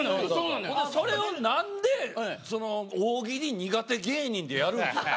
それをなんで大喜利苦手芸人でやるんですか。